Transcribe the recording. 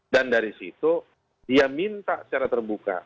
dan dari situ dia minta secara terbuka